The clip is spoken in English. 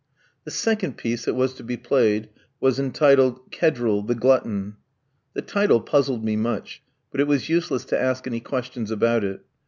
The second piece that was to be played was entitled, Kedril, the Glutton. The title puzzled me much, but it was useless to ask any questions about it.